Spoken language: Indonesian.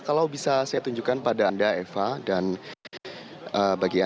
kalau bisa saya tunjukkan pada anda eva dan bagia